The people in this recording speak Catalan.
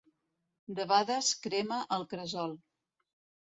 Debades crema el cresol.